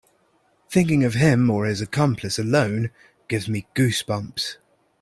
Thinking of him or his accomplice alone gives me goose bumps.